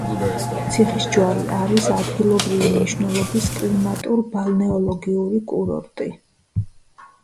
ციხისჯვარი არის ადგილობრივი მნიშვნელობის კლიმატურ-ბალნეოლოგიური კურორტი.